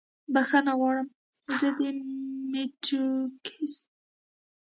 بښنه غواړم. زه د مونټریکس څخه راغلی یم.